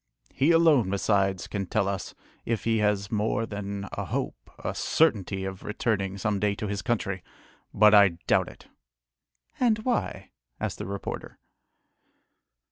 He alone besides can tell us, if he has more than a hope, a certainty, of returning some day to his country, but I doubt it!" "And why?" asked the reporter.